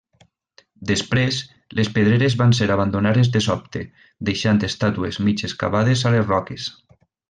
Després, les pedreres van ser abandonades de sobte, deixant estàtues mig excavades a les roques.